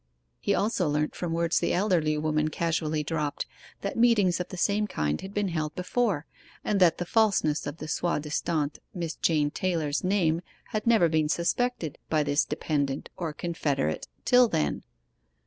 He also learnt from words the elderly woman casually dropped, that meetings of the same kind had been held before, and that the falseness of the soi disant Miss Jane Taylor's name had never been suspected by this dependent or confederate till then.